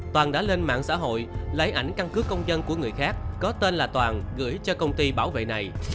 toàn đã lên mạng xã hội lấy ảnh căn cứ công dân của người khác có tên là toàn gửi cho công ty bảo vệ này